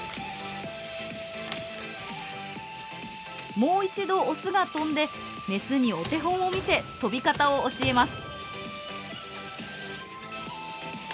もう一度オスが跳んでメスにお手本を見せ跳び方を教えます。